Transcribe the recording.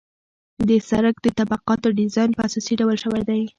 د سرک د طبقاتو ډیزاین په اساسي ډول شوی دی